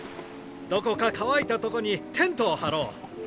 どこか乾いたとこにテントを張ろう。